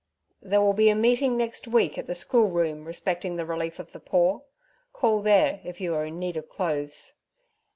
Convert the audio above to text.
'There will be a meeting next week at the schoolroom respecting the relief of the poor. Call there if you are in need of clothes.'